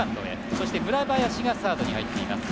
そして、村林がサードへ入っています。